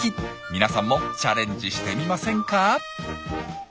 皆さんもチャレンジしてみませんか？